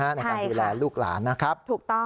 ในการแชนดูแลลูกหลานนะครับ